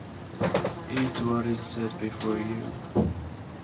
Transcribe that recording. Eat what is set before you.